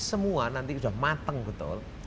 semua nanti sudah mateng betul